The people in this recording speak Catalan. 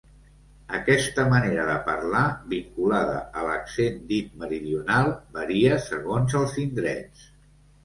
Aquesta manera de parlar, vinculada a l'accent dit meridional, varia segons els indrets.